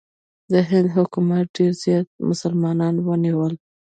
د هند حکومت ډېر زیات مسلمانان ونیول.